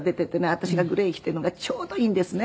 私がグレー着ているのがちょうどいいんですね。